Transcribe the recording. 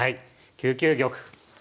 ９九玉。